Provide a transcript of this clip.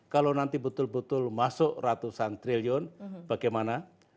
kalau nanti betul betul masuk ratusan triliun bagaimana